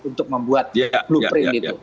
untuk membuat blueprint itu